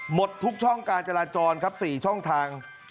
หมดทุกช่องการจราจรครับ๔ช่องทาง